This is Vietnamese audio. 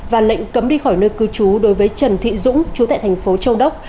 và lệnh cấm đi khỏi nơi cư trú đối với trần thị dũng chú tại thành phố châu đốc